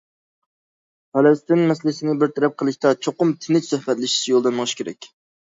پەلەستىن مەسىلىسىنى بىر تەرەپ قىلىشتا چوقۇم تىنچ سۆھبەتلىشىش يولىدا مېڭىش كېرەك.